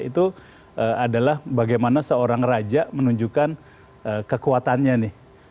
itu adalah bagaimana seorang raja menunjukkan kekuatannya nih